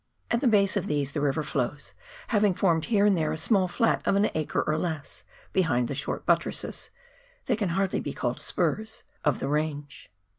At the base of these the river flow i, having formed here and there a small flat of an acre or less behind the short buttresses — they can hardly be called spurs — of the range.